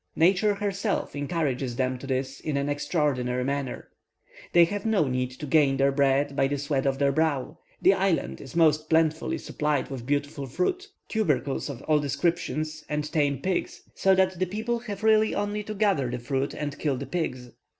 Nature herself encourages them to this in an extraordinary manner. They have no need to gain their bread by the sweat of their brow; the island is most plentifully supplied with beautiful fruit, tubercles of all descriptions, and tame pigs, so that the people have really only to gather the fruit and kill the pigs.